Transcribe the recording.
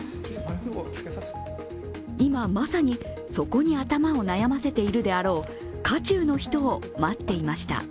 今、まさにそこに頭を悩ませてあるであろう渦中の人を待っていました。